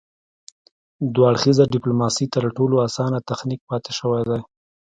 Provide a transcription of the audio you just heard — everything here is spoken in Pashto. دوه اړخیزه ډیپلوماسي تر ټولو اسانه تخنیک پاتې شوی دی